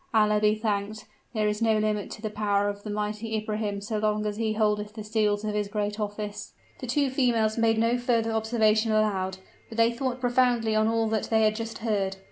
Allah be thanked! there is no limit to the power of the mighty Ibrahim so long as he holdeth the seals of his great office." The two females made no further observation aloud; but they thought profoundly on all that they had just heard.